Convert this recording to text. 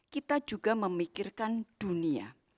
kita juga memikirkan dunia